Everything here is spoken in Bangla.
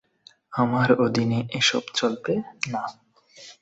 আমার অধীনে এসব চলবে না।